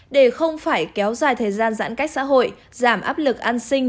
để không phải kéo dài thời gian giãn cách xã hội giảm áp lực an sinh